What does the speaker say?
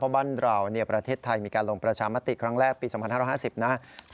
บ้านเราประเทศไทยมีการลงประชามติครั้งแรกปี๒๕๕๐นะครับ